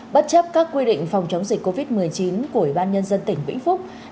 bất chấp các quy định phòng chống dịch covid một mươi chín của ủy ban nhân dân tỉnh vĩnh phúc